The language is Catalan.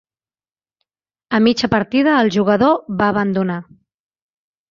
A mitja partida, el jugador va abandonar.